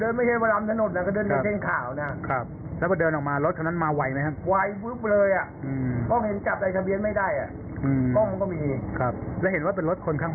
อยากจะฝากอะไรถึงคนขับนะครับลุง